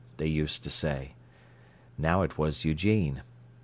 they used to say. Now it was Eugene.